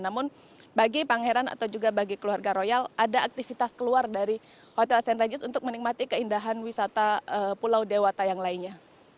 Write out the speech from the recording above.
namun bagi pangeran atau juga bagi keluarga royal ada aktivitas keluar dari hotel st regis untuk menikmati keindahan wisata pulau dewata yang lainnya